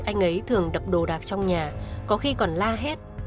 anh ấy thường đập đồ đạc trong nhà có khi còn la hét